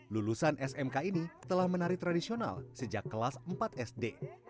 lulusan smk ini telah menari tradisional sejak kelas empat sd